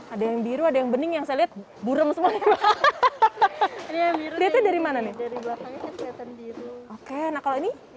ada yang biru ada yang bening yang saya lihat burung semuanya dari mana nih oke nah kalau ini